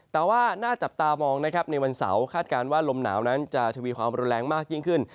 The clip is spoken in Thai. แต่ว่าน่าจับตามองนะครับในวันเสาร์คาดการณ์ว่าลมหนาวนั้นจะทวีความรุนแรงมากยิ่งขึ้น